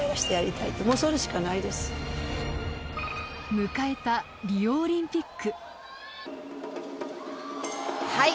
迎えたリオオリンピック。